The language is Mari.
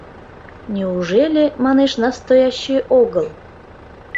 — Неужели, манеш, Настоящий огыл?